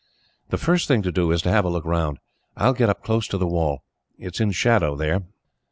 "The first thing to do is to have a look round. I will get up close to the wall. It is in shadow there."